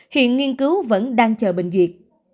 hiện nghiên cứu vẫn đang chờ bình duyệt